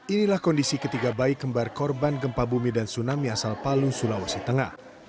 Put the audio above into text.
inilah kondisi ketiga bayi kembar korban gempa bumi dan tsunami asal palu sulawesi tengah